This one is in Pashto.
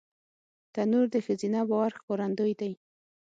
تنور د ښځینه باور ښکارندوی دی